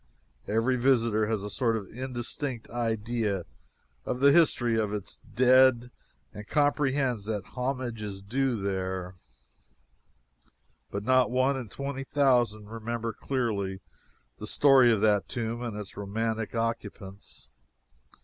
Every visitor has a sort of indistinct idea of the history of its dead and comprehends that homage is due there, but not one in twenty thousand clearly remembers the story of that tomb and its romantic occupants.